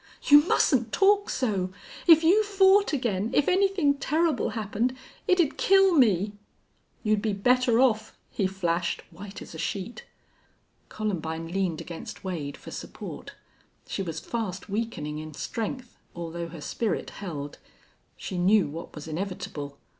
"You mustn't talk so. If you fought again if anything terrible happened, it'd kill me." "You'd be better off!" he flashed, white as a sheet. Columbine leaned against Wade for support. She was fast weakening in strength, although her spirit held. She knew what was inevitable.